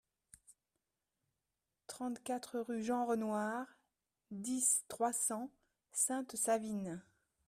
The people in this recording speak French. trente-quatre rue Jean Renoir, dix, trois cents, Sainte-Savine